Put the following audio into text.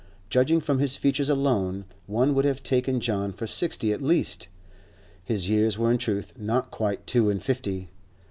Judging from his features alone, one would have taken John for sixty at least; his years were in truth not quite two and fifty.